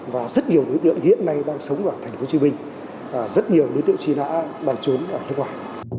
và rất nhiều đối tượng hiện nay đang sống ở thành phố hồ chí minh và rất nhiều đối tượng chỉ đã đang trốn ở nước ngoài